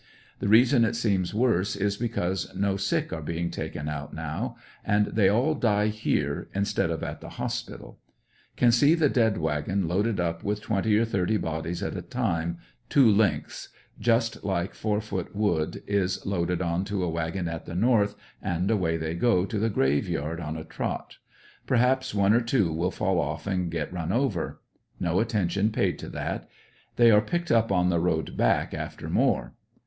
The reason it seems worse, is because no sick are being taken out now, and they all die here instead of at the hospi tal. Can see the dead wagon loaded up with twenty or thirty bodies at a time, two lengths, just like four foot wood is loaded on to a wagon at the North, and away they go to the grave yard on a trot. Perhaps one or two will fall off and get run over. JNo atten tion paid to that; they are picked up on the road back after more.